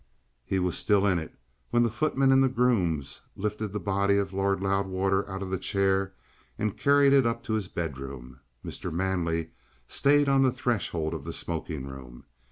He was still in it when the footman and the grooms lifted the body of Lord Loudwater out of the chair, and carried it up to his bedroom. Mr. Manley stayed on the threshold of the smoking room.